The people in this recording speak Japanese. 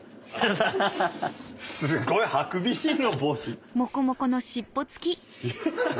すごいハクビシンの帽子。